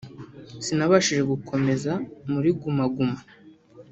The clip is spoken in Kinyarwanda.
sinabashije gukomeza muri Guma Guma